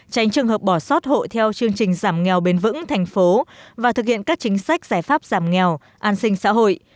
tránh trường hợp bỏ sót hộ theo chương trình giảm nghèo bền vững thành phố và thực hiện các chính sách giải pháp giảm nghèo an sinh xã hội